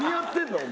お前。